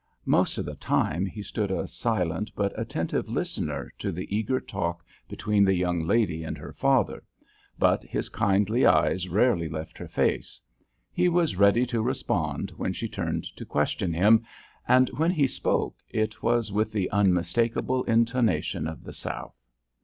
Most of the time he stood a silent but attentive listener to the eager talk between the young lady and her father, but his kindly eyes rarely left her face; he was ready to respond when she turned to question him, and when he spoke it was with the unmistakable intonation of the South.